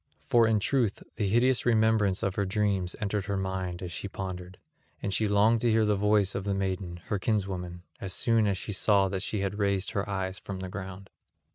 For in truth the hideous remembrance of her dreams entered her mind as she pondered; and she longed to hear the voice of the maiden, her kinswoman, as soon as she saw that she had raised her eyes from the ground.